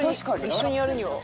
一緒にやるには。